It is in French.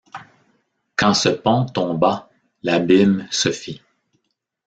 Quand ce pont tomba, l’abîme se fit.